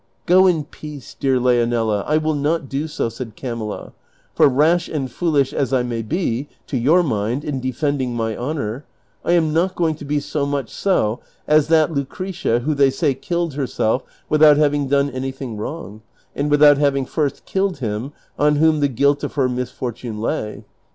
" Go in peace, dear Leonela, I will not do so," said Camilla, " for rash and foolish as I may be, to your mind, in defending my honor, T am not going to be so much so as that Lucretia who they say killed herself without having done anything wrong, and without having first killed him ou whom the guilt of her misfortune lay.